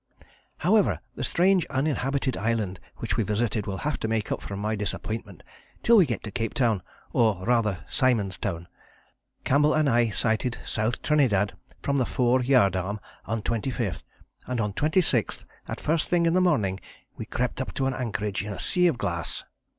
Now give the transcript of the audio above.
However, the strange uninhabited island which we visited will have to make up for my disappointment till we get to Capetown or rather Simon's Town. Campbell and I sighted S. Trinidad from the fore yardarm on 25th, and on 26th, at first thing in the morning, we crept up to an anchorage in a sea of glass.